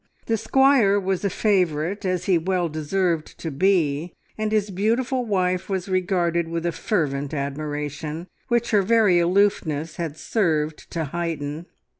The squire was a favourite, as he well deserved to be, and his beautiful wife was regarded with a fervent admiration, which her very aloofness had served to heighten.